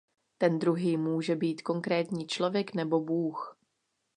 Ten druhý může být konkrétní člověk nebo Bůh.